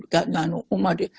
gak ngamuk umat